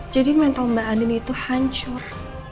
jadi mental mbak andi itu hancur